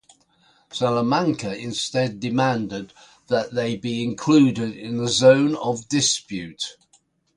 Salamanca instead demanded that they be included in a "zone of dispute".